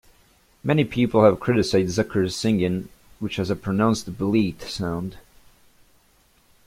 Many people have criticized Zucker's singing, which has a pronounced "bleat" sound.